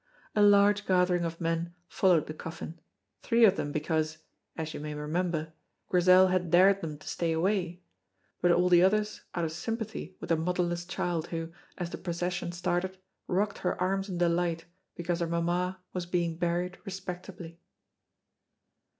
A large gathering of men followed the coffin, three of them because, as yon may remember, Grizel had dared them to stay away, but all the others out of sympathy with a motherless child who, as the procession started, rocked her arms in delight because her mamma was being buried respectably.